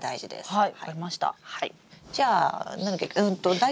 はい。